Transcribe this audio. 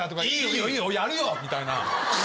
「いいよいいよやるよ」みたいな。